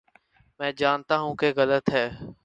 میں جانتا ہوں کہ غلط ہے۔